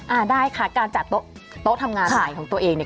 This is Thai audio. อ่าได้ค่ะการจัดโต๊ะทำงานใหม่ของตัวเองเนี่ย